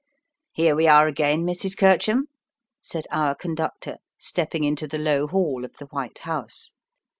"Here we are again, Mrs. Kercham," said our conductor, stepping into the low hall of the white house.